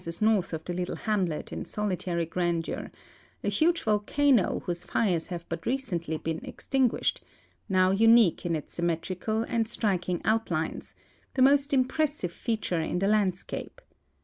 s north of the little hamlet in solitary grandeur, a huge volcano whose fires have but recently been extinguished, now unique in its symmetrical and striking outlines, the most inijiressive feature in the land scape.